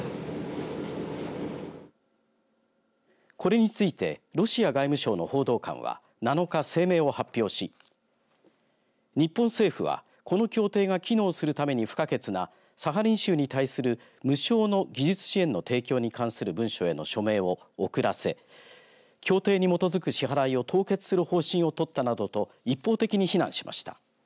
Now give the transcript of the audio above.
これについてロシア外務省の報道官は７日、声明を発表し日本政府は、この協定が機能するために不可欠なサハリン州に対する無償の技術支援の提供に関する文書への署名を遅らせ協定に基づく支払いを凍結する方針をとったなどと一方的に非難しました。